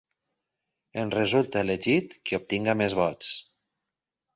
En resulta elegit qui obtinga més vots.